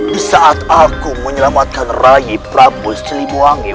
di saat aku menyelamatkan raih prabu siliwangi